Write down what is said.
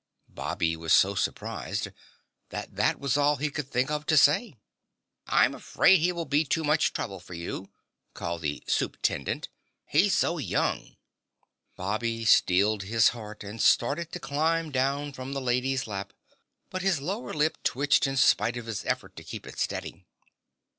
Bobby was so surprised that that was all he could think of to say. "I'm afraid he will be too much trouble for you," called the Supe'tendent. "He's so young." Bobby steeled his heart and started to climb down from the lady's lap, but his lower lip twitched in spite of his effort to keep it steady.